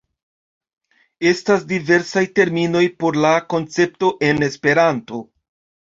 Estas diversaj terminoj por la koncepto en Esperanto.